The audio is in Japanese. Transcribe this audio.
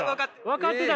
分かってた。